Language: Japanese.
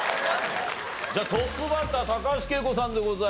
じゃあトップバッター高橋惠子さんでございますが。